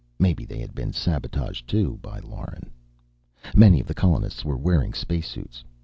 Maybe they had been sabotaged, too, by Lauren. Many of the colonists were wearing spacesuits.